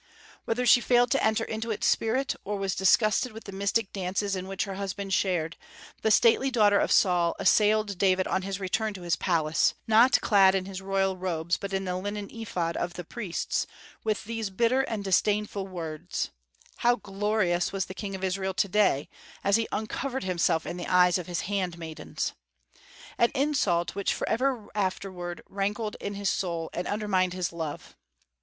Whether she failed to enter into its spirit, or was disgusted with the mystic dances in which her husband shared, the stately daughter of Saul assailed David on his return to his palace not clad in his royal robes, but in the linen ephod of the priests with these bitter and disdainful words: 'How glorious was the King of Israel to day, as he uncovered himself in the eyes of his handmaidens!' an insult which forever afterward rankled in his soul, and undermined his love."